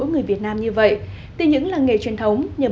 gốm có thể truyền tài